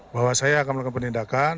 bahwa saya akan melakukan penindakan